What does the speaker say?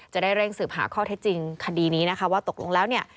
จะได้เร่งสืบหาข้อเท็จจริงคดีนี้นะคะว่าตกลงแล้วเนี่ย